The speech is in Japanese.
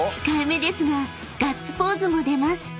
［控えめですがガッツポーズも出ます］